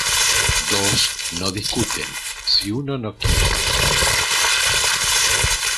Dos no discuten si uno no quiere.